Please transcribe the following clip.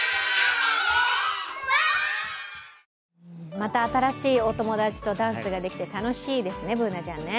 また新しいお友達とダンスができて楽しいですね、Ｂｏｏｎａちゃん。